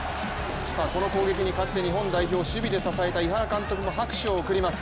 この攻撃にかつて日本代表を守備で支えた井原さんも拍手を送ります。